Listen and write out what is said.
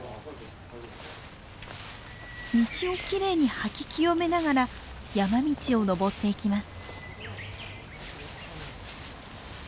道をきれいに掃き清めながら山道を登っていきます。